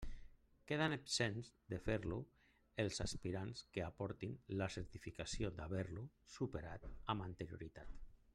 Quedem exempts de fer-lo els aspirants que aportin la certificació d'haver-lo superat amb anterioritat.